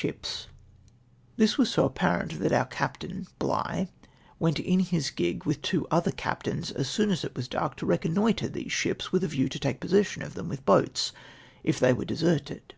4s exe]i[y's ships abaxdoxed by TIIEIK CRRVrS, " This was so apijarent that our Captain, Bligli, went in his gig, with two other Captains, as soon as it was dark, to reconnoitre these ships, with a view to take possession of them with l)oats, if they were deserted.